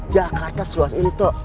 jakarta seluas ini